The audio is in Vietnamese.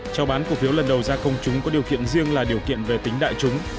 trào bán cổ phiếu lần đầu ra công chúng có điều kiện riêng là điều kiện về tính đại chúng